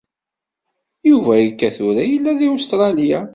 Yuba akka tura yella deg Ustṛalya.